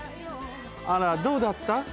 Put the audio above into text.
あらどうだった？